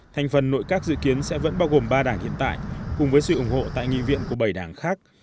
thành phần nội các dự kiến sẽ vẫn bao gồm ba đảng hiện tại cùng với sự ủng hộ tại nghị viện của bảy đảng khác